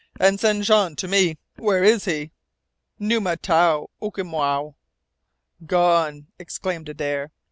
And send Jean to me! Where is he?" "Numma tao, ookimow." "Gone!" exclaimed Adare.